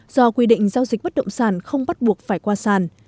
do quy định giao dịch bất động sản không bắt buộc phải qua sản